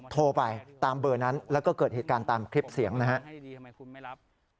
โทรไปตามเบอร์นั้นแล้วก็เกิดเหตุการณ์ตามคลิปเสียงนะครับ